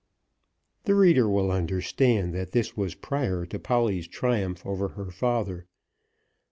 The reader will understand that this was prior to Polly's triumph over her father.